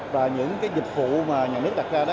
và những dịch vụ mà nhà nước đặt ra